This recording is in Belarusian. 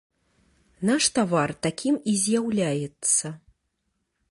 Наш тавар такім і з'яўляецца.